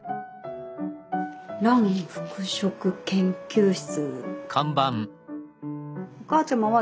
「蘭服飾研究室」。